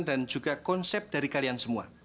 dan juga konsep dari kalian semua